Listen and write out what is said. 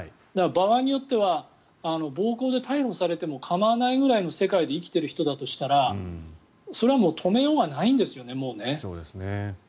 場合によっては暴行で逮捕されても構わないぐらいの世界で生きている人だとしたらそれはもう止めようがないんですよね。